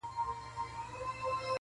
• همېشه به د مالِک ترشا روان ؤ,